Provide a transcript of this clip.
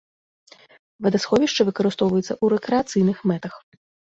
Вадасховішча выкарыстоўваецца ў рэкрэацыйных мэтах.